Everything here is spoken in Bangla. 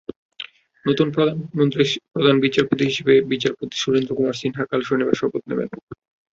নতুন প্রধান বিচারপতি হিসেবে বিচারপতি সুরেন্দ্র কুমার সিনহা কাল শনিবার শপথ নেবেন।